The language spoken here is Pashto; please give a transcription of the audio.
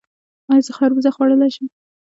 ایا زه خربوزه خوړلی شم؟